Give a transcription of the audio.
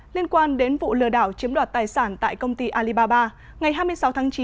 liên quan đến vụ lừa đảo chiếm đoạt tài sản tại công ty alibaba ngày hai mươi sáu tháng chín